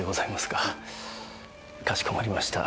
かしこまりました。